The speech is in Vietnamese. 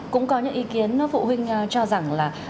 cũng có những ý kiến phụ huynh cho rằng là